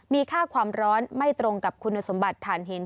มีค่าความร้อนไม่ตรงกับคุณสมบัติฐานหิน